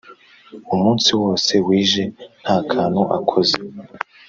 umunsi wose wije ntakantu akoze